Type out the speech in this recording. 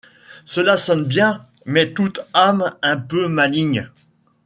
Cela sonne bien ; mais toute âme un peu maligne